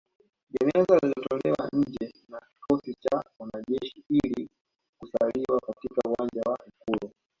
Jeneza lilitolewa nje na kikosi cha wanajeshi ili kusaliwa katika uwanja wa Ikulu